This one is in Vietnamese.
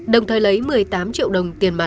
đồng thời lấy một mươi tám triệu đồng tiền bà túy